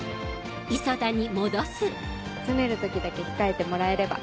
詰める時だけ控えてもらえれば。